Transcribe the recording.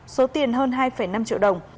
số tiền hơn hai năm triệu đồng